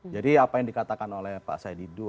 jadi apa yang dikatakan oleh pak said didu